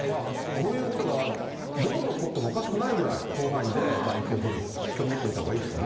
こういうことがどこで起こってもおかしくないぐらい広範囲で雪が降ると思っておいたほうがいいですよね。